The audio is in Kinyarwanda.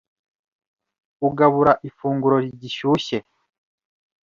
Ugabura ifunguro rigishyushye